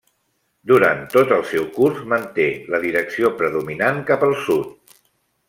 Durant to el seu curs manté la direcció predominant cap al sud.